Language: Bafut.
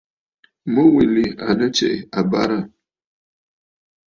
Mû wilì à nɨ tsiʼ ì àbə̀rə̀.